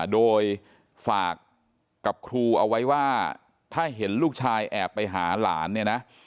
โดยฝากกับครูเอาไว้ว่าถ้าเห็นลูกชายแอบไปหาหลานเนี่ยนะ